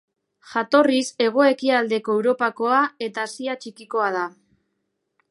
Jatorriz Hego-ekialdeko Europakoa eta Asia Txikikoa da.